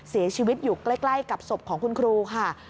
เสียชีวิตอยู่ใกล้กับศพของคุณครูค่ะ